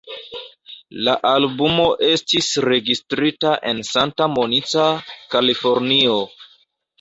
La albumo estis registrita en Santa Monica, Kalifornio.